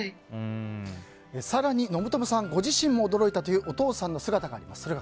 更に信友さんご自身も驚いたというお父さんの姿があります。